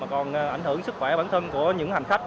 mà còn gây ảnh hưởng sức khỏe cho bản thân của những hành khách